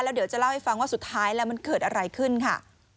เดี๋ยวจะเล่าให้ฟังว่าสุดท้ายแล้วมันเกิดอะไรขึ้นค่ะ